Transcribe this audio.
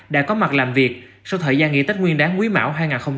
đã có mặt làm việc sau thời gian nghỉ tết nguyên đáng quý mảo hai nghìn hai mươi ba